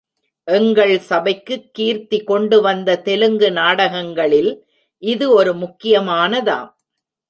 எங்கள் சபைக்குக் கீர்த்தி கொண்டு வந்த தெலுங்கு நாடகங்களில் இது ஒரு முக்கியமானதாம்.